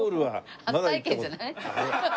初体験じゃない？